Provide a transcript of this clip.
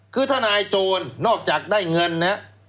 คือทนายโจรนอกจากได้เงินนะ